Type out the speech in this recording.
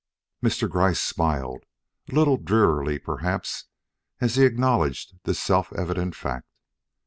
Mr. Gryce smiled, a little drearily perhaps, as he acknowledged this self evident fact.